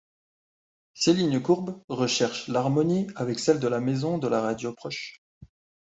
Ses lignes courbes recherchent l'harmonie avec celles de la Maison de la Radio proche.